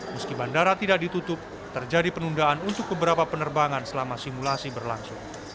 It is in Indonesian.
meski bandara tidak ditutup terjadi penundaan untuk beberapa penerbangan selama simulasi berlangsung